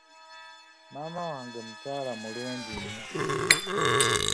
Maama wange mukyala mulungi nnyo.